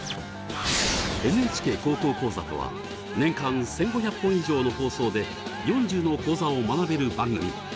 「ＮＨＫ高校講座」とは年間１，５００本以上の放送で４０の講座を学べる番組。